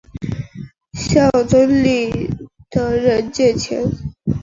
向村里的人借钱